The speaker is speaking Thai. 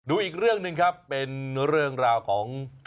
อีกเรื่องหนึ่งครับเป็นเรื่องราวของ